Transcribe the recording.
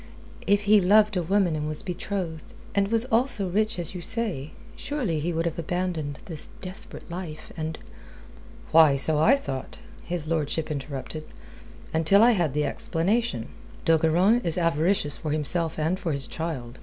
if he loved a woman and was betrothed, and was also rich as you say, surely he would have abandoned this desperate life, and..." "Why, so I thought," his lordship interrupted, "until I had the explanation. D'Ogeron is avaricious for himself and for his child.